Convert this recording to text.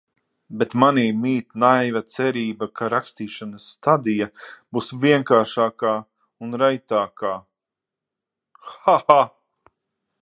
Bet manī mīt naiva cerība, ka rakstīšanas stadija būs vienkāršākā un raitākā. Haha.